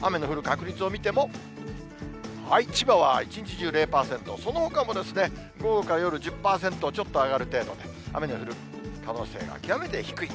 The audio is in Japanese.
雨の降る確率を見ても、千葉は一日中０％、そのほかもですね、午後から夜１０％、ちょっと上がる程度で、雨の降る可能性が極めて低い。